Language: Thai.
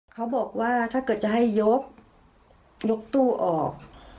เขาบอกว่าถ้าเกิดจะให้ยกยกตู้ออก